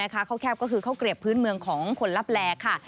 ข้าวแคบก็คือข้าวเกลียบพื้นเมืองของคนลับแลค่ะ